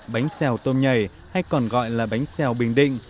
bánh xèo tôm nhảy hay còn gọi là bánh xèo bình định